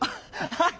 はい！